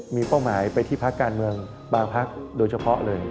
มีเป้าหมายไปที่พักการเมืองบางพักโดยเฉพาะเลย